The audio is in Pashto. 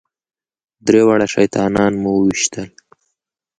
درې واړه شیطانان مو وويشتل.